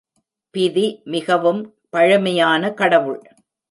பிதி மிகவும் பழமையான கடவுள்.